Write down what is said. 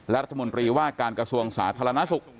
รัฐมนตรีว่าการกระทรวงสาธารณสุข